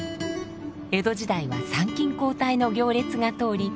江戸時代は参勤交代の行列が通り